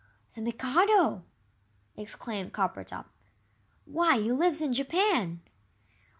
"The Mikado!" exclaimed Coppertop; "why, he lives in Japan!"